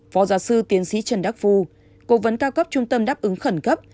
phó giáo sư tiến sĩ trần đắc phu cố vấn cao cấp trung tâm đáp ứng khẩn cấp